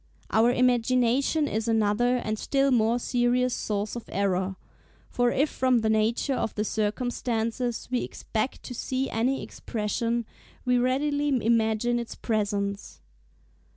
Our imagination is another and still more serious source of error; for if from the nature of the circumstances we expect to see any expression, we readily imagine its presence.